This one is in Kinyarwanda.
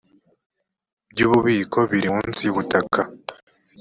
byu ububiko biri munsi y ubutaka